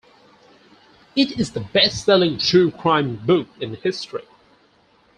It is the best-selling true crime book in history.